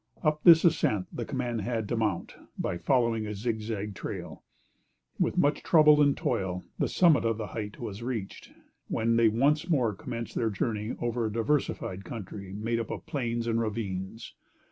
Up this ascent the command had to mount, by following a zigzag trail. With much trouble and toil, the summit of the height was reached, when they once more commenced their journey over a diversified country, made up of plains and ravines.